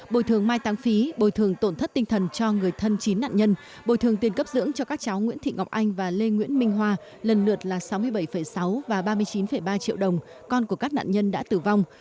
bồi thường mai tăng phí bồi thường tổn thất tinh thần cho người thân chín nạn nhân bồi thường tiền cấp dưỡng cho các cháu nguyễn thị ngọc anh và lê nguyễn minh hoa lần lượt là sáu mươi bảy sáu và ba mươi chín ba triệu đồng con của các nạn nhân đã tử vong